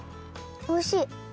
おいしい！